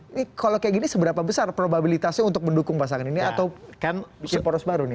ini kalau kayak gini seberapa besar probabilitasnya untuk mendukung pasangan ini atau bikin poros baru nih